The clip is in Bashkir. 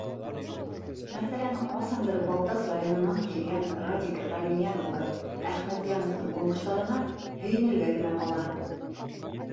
Мәҫәлән, ҡасандыр Балтас районынан килгән Радик Ғәлимйән улы Әхмәтйәновтың уңыштарына һөйөнөргә генә ҡала.